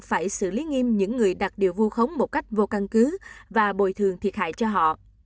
phải xử lý nghiêm những người đặt điều khống một cách vô căn cứ và bồi thường thiệt hại cho họ